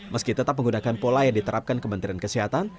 meski tetap menggunakan pola yang diterapkan kementerian kesehatan